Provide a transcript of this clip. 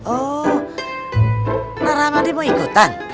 oh naramadi mau ikutan